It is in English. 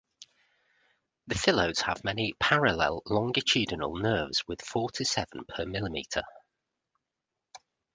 The phyllodes have many parallel longitudinal nerves with four to seven per millimetre.